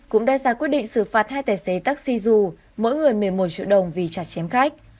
cũng đã ra quyết định xử phạt hai tài xế taxi dù mỗi người một mươi một triệu đồng vì chặt chém khách